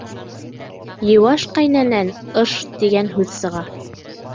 Йыуаш ҡәйнәнән «ыш» тигән һүҙ сыға.